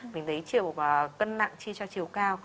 mình thấy chiều cân nặng chia cho chiều cao